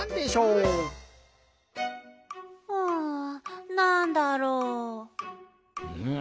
うんなんだろう？